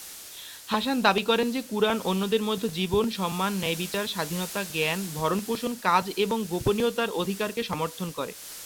হাসান দাবি করেন যে কুরআন অন্যদের মধ্যে জীবন, সম্মান, ন্যায়বিচার, স্বাধীনতা, জ্ঞান, ভরণ-পোষণ, কাজ এবং গোপনীয়তার অধিকারকে সমর্থন করে।